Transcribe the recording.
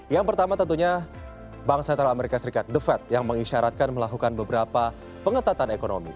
yang pertama tentunya bank sentral amerika serikat the fed yang mengisyaratkan melakukan beberapa pengetatan ekonomi